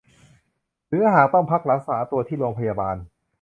หรือหากต้องพักรักษาตัวที่โรงพยาบาล